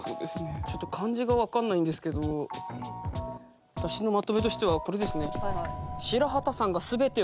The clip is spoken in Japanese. ちょっと漢字が分かんないんですけど私のまとめとしてはこれですね。